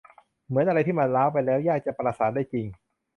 เหมือนอะไรที่มันร้าวไปแล้วยากจะประสานได้จริง